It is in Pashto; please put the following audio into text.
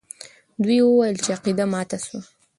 دوی وویل چې عقیده ماته سوه.